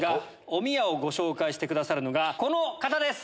おみやをご紹介してくださるのがこの方です！